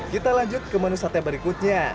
kita lanjut ke menu sate berikutnya